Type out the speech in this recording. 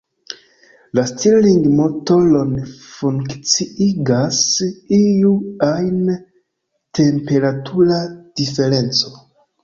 La Stirling-motoron funkciigas iu ajn temperatura diferenco.